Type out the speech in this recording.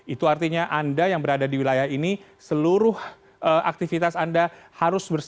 itu artinya anda yang berada di wilayah